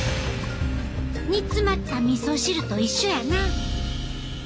煮詰まったみそ汁と一緒やな。